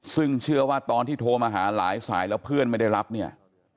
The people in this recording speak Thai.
ซึ่งเชื่อว่าตอนที่โทรมาหาหลายสายแล้วเพื่อนไม่ได้รับเนี่ย